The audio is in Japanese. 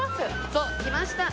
そう来ました。